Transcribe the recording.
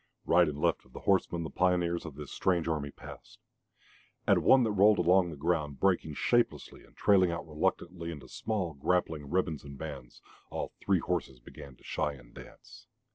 Right and left of the horsemen the pioneers of this strange army passed. At one that rolled along the ground, breaking shapelessly and trailing out reluctantly into long grappling ribbons and bands, all three horses began to shy and dance.